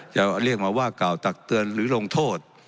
จะเรียกมาว่ากล่าวตักเตือนหรือลงโทษ